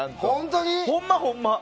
ほんま、ほんま。